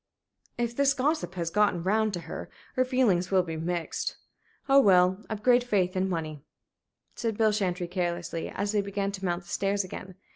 "If this gossip has got round to her, her feelings will be mixed. Oh, well, I've great faith in the money," said Bill Chantrey, carelessly, as they began to mount the stairs again.